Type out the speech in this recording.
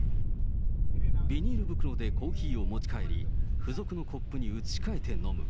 ビニール袋でコーヒーを持ち帰り、付属のコップに移し替えて飲む。